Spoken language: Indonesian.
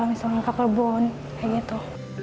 langsung ke kebun kayak gitu